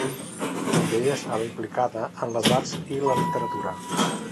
També estava implicada en les arts i la literatura.